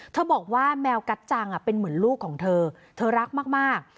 บอกว่าแมวกัดจังเป็นเหมือนลูกของเธอเธอรักมาก